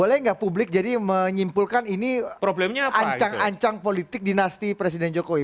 boleh nggak publik jadi menyimpulkan ini ancang ancang politik dinasti presiden jokowi